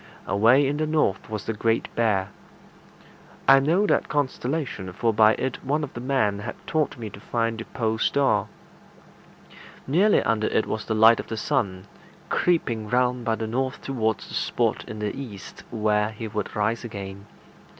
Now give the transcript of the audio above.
Away in the north was the Great Bear. I knew that constellation, for by it one of the men had taught me to find the pole star. Nearly under it was the light of the sun, creeping round by the north towards the spot in the east where he would rise again.